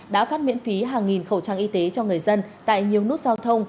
đã phát miễn phí hàng nghìn khẩu trang y tế cho người dân tại nhiều nút giao thông